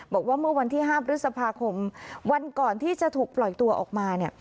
บอกว่าเมื่อวันที่๕พฤษภาคมวันก่อนที่จะถูกปล่อยตัวออกมาเนี่ย